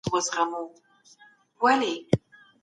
پلانونه د ملت د وېش لپاره جوړېږي.